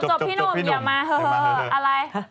จบพี่นมอย่ามียาก็มาเหอะอะไร